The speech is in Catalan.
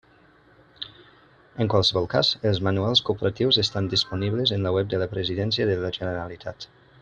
En qualsevol cas, els manuals corporatius estan disponibles en la web de la Presidència de la Generalitat.